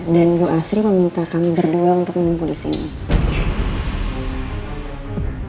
dan bu astri meminta kami berdua untuk menunggu disini